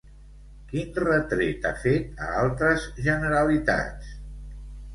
Quin retret ha fet a altres generalitats?